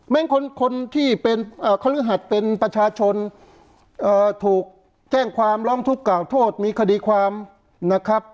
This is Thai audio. แม่งคนที่เป็นเครื่องถัดเป็นประชาชนอ่าถูกแจ้งความล้องทุกข์กราบโทษมีคดีความนะครับ